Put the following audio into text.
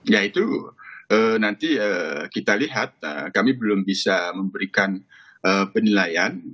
ya itu nanti kita lihat kami belum bisa memberikan penilaian